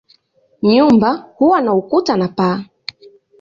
Nyumba huwa na ukuta na paa.